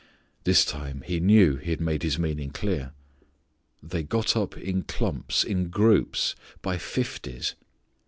This time he knew he had made his meaning clear. They got up in clumps, in groups, by fifties!